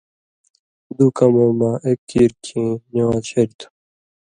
دُو کمؤں مہ ایک کیریۡ کھیں نِوان٘ز شریۡ تھُو۔